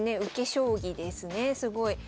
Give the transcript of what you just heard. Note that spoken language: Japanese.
将棋ですねすごい。